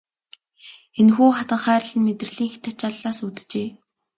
Энэхүү хатанхайрал нь мэдрэлийн хэт ачааллаас үүджээ.